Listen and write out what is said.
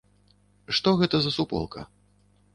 Што гэта за суполка?